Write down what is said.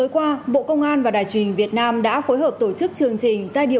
các bạn hãy đăng ký kênh để ủng hộ kênh của chúng mình nhé